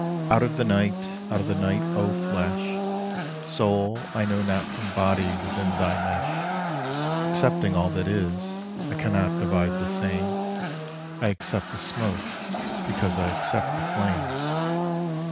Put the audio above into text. Out of the Night! out of the Night, O Flesh: Soul I know not from Body within thy mesh: Accepting all that is, I cannot divide the same: I accept the smoke because I accept the flame.